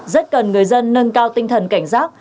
rất cần người dân nâng cao tinh thần cảnh giác